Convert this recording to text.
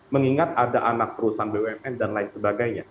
mengingat ada anak perusahaan bumn dan lain sebagainya